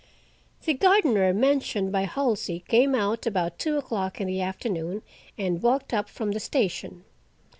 The gardener mentioned by Halsey came out about two o'clock in the afternoon, and walked up from the station.